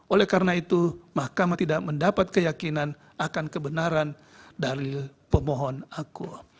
oleh karena itu mahkamah tidak mendapat keyakinan akan kebenaran dari pemohon aku